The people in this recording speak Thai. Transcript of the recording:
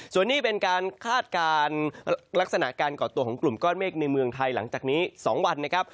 ส่วนนี้เป็นการคาดการณ์ลักษณะการก่อตัวของกลุ่มก้อนเมฆในเมืองไทยหลังจากนี้๒วันนะครับ